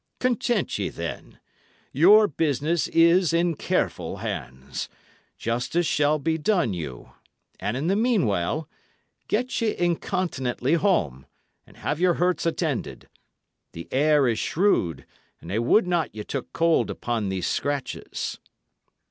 Content ye, then; your business is in careful hands; justice shall be done you; and in the meanwhile, get ye incontinently home, and have your hurts attended. The air is shrewd, and I would not ye took cold upon these scratches."